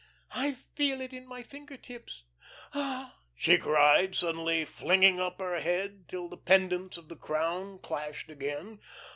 I feel it in my finger tips. Ah!" she cried, suddenly flinging up her head till the pendants of the crown clashed again.